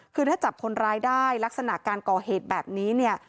คือถ้าจับคนร้ายได้ลักษณะการก่อเหตุแบบนี้เนี่ย